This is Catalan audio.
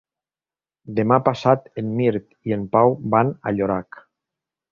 Demà passat en Mirt i en Pau van a Llorac.